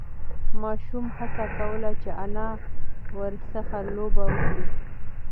ماشوم هڅه کوله چې انا ورسه لوبه وکړي.